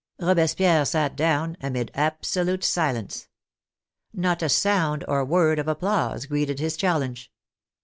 Robespierre sat down amid absolute silence. Not a sound or word of applause greeted his challenge.